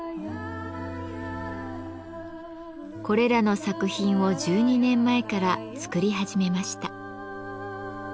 これらの作品を１２年前から作り始めました。